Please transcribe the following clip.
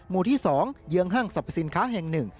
หมู่ที่๒เยื้องห้างสรรพสินค้าแห่งหนึ่ง